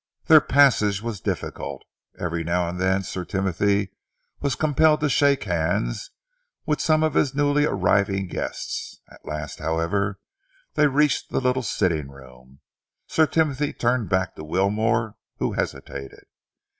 Their passage was difficult. Every now and then Sir Timothy was compelled to shake hands with some of his newly arriving guests. At last, however, they reached the little sitting room. Sir Timothy turned back to Wilmore, who hesitated.